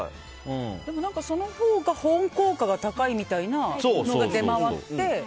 でも何かそのほうが保温効果が高いみたいなのが出回って